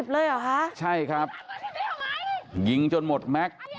เลยเหรอคะใช่ครับยิงจนหมดแม็กซ์